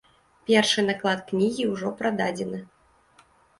Першы наклад кнігі ўжо прададзены.